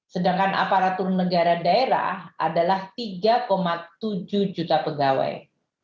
sedangkan aparatur negara daerah adalah tiga tujuh juta pegawai